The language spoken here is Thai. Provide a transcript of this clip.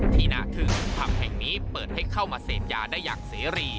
ที่หน้าทึ่งผับแห่งนี้เปิดให้เข้ามาเสพยาได้อย่างเสรี